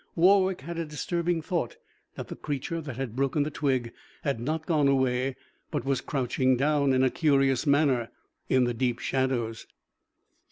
Warwick had a disturbing thought that the creature that had broken the twig had not gone away, but was crouching down, in a curious manner, in the deep shadows.